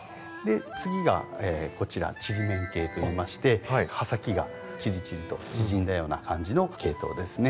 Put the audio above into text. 次がこちらちりめん系といいまして葉先がちりちりと縮んだような感じの系統ですね。